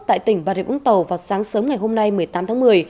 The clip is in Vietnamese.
tại tỉnh bà rịa vũng tàu vào sáng sớm ngày hôm nay một mươi tám tháng một mươi